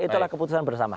itulah keputusan bersama